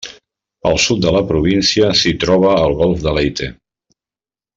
Al sud de la província s'hi troba el golf de Leyte.